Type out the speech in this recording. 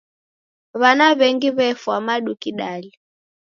W'ana w'engi w'efwa madu kidali.